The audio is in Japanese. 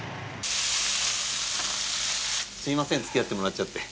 すみませんつきあってもらっちゃって。